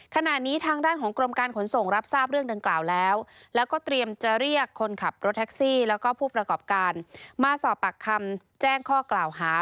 ขณะนี้ทางด้านของกรมการขนส่งรับทราบเรื่องดังกล่าวแล้วแล้วก็เตรียมจะเรียกคนขับรถแท็กซี่แล้วก็ผู้ประกอบการมาสอบปากคำแจ้งข้อกล่าวหา